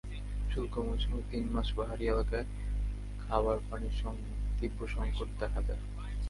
শুষ্ক মৌসুমের তিন মাস পাহাড়ি এলাকায় খাবার পানির তীব্র সংকট দেখা দেয়।